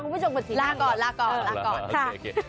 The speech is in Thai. เดี๋ยวลาก่อนค่ะ